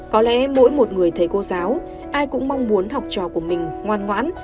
có lẽ mỗi một người thầy cô giáo ai cũng mong muốn học trò của mình ngoan ngoãn